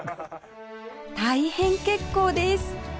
大変結構です！